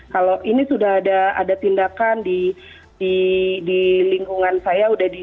kalau ini sudah ada tindakan di lingkungan saya